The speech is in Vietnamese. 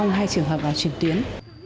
vong hay trường hợp nào truyền tuyến